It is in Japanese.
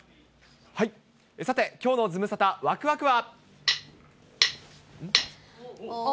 さて、きょうのズムサタわくわくは。